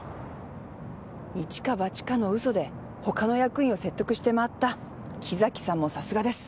一か八かの嘘でほかの役員を説得して回った木崎さんもさすがです。